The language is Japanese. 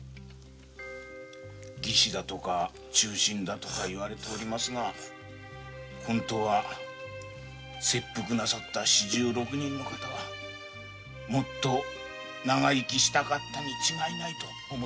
義士だとか忠臣だとか言われておりますが本当は切腹なさった四十六人の方はもっと長生きしたかったに違いないと思っております。